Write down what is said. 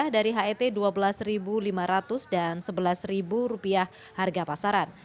dari het rp dua belas lima ratus dan rp sebelas harga pasaran